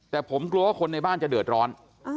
แต่ผมกลัวว่าคนในบ้านจะเดือดร้อน